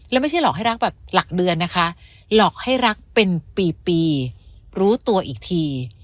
แล้วไม่ใช่หลอกให้รักแบบหลักเดือนนะคะหลอกให้รักเป็นปีปีรู้ตัวอีกที